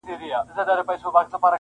د شپې دي د مُغان په کور کي ووینم زاهده-